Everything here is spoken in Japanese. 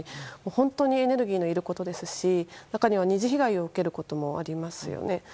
本当にエネルギーのいることですし中には２次被害を受けることもありますよね。